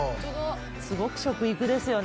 すごく食育ですよね